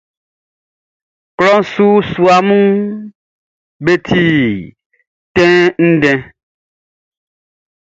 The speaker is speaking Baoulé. Klɔʼn su suaʼm be ti tɛnndɛn.